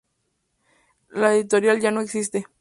La editorial ya no existe.